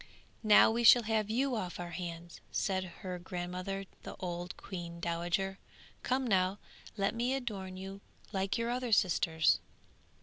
'Now we shall have you off our hands,' said her grandmother, the old queen dowager. 'Come now, let me adorn you like your other sisters!'